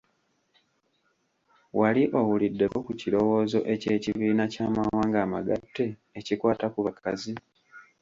Wali owuliddeko ku kirowoozo eky’Ekibiina ky’Amawanga Amagatte ekikwata ku bakazi?